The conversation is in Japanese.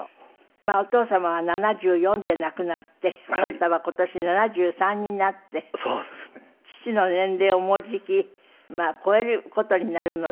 まあお父様は７４で亡くなってあなたは今年７３になって父の年齢をもうじき超える事になるので。